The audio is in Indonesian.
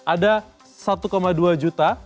ada satu dua juta